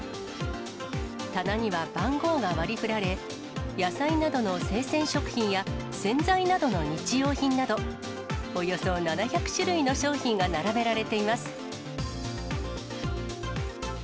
棚には番号が割りふられ、野菜などの生鮮食品や洗剤などの日用品など、およそ７００種類の商品が並べられています。